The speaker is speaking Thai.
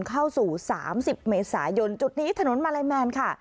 เข้าสู่๓๐เมษายนจุดนี้ถนนมาลัยแมนค่ะ